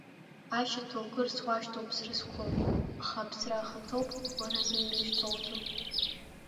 Ашьаҭа укырц уашьҭоуп ԥсра зқәым, аха аԥсра ахаҭоуп уара зымҩа шьҭоуҵо.